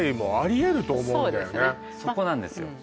そこなんですよ